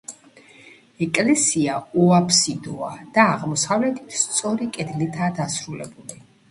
ეკლესია უაბსიდოა და აღმოსავლეთით სწორი კედლითაა დასრულებული.